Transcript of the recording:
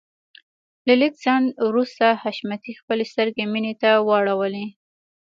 له لږ ځنډ وروسته حشمتي خپلې سترګې مينې ته واړولې.